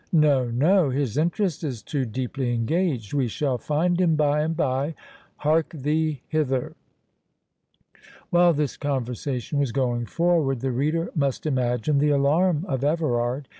—No, no, his interest is too deeply engaged. We shall find him by and by. Hark thee hither." While this conversation was going forward, the reader must imagine the alarm of Everard.